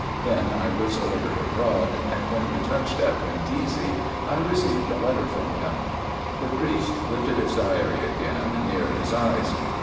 Then I was ordered abroad ; and when we touched at Brindisi I received a letter from him." The priest lifted his diary again near his eyes.